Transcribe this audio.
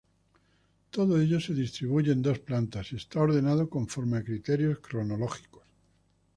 Todo ello se distribuye en dos plantas y está ordenado conforme a criterios cronológicos.